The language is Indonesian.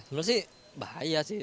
sebenarnya sih bahaya sih